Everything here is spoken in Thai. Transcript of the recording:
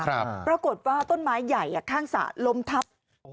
ปรากฏว่าต้นไม้ใหญ่ข้างสระล้มทับ